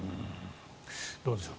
どうでしょう。